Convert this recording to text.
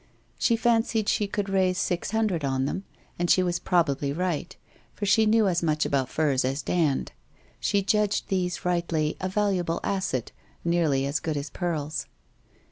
She fancied she could raise six hundred on them, and she was probably right, for she knew as much about furs as Dand. She judged these rightly a valuable asset, nearly as good as pearls.